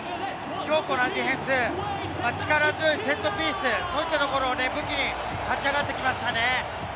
強固なディフェンス、力強いセットピース、こういったところを武器に勝ち上がってきました。